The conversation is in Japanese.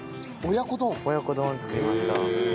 親子丼作りました。